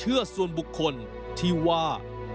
และความเชื่อส่วนบุคคลที่ว่า